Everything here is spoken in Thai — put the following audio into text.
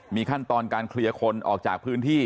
มีขั้นตอนการเคลียร์คนออกจากพื้นที่